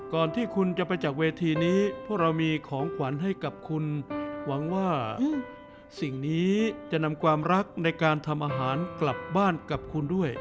ก่อนที่คุณจะไปจากเวทีนี้พวกเรามีของขวัญให้กับคุณหวังว่าสิ่งนี้จะนำความรักในการทำอาหารกลับบ้านกับคุณด้วย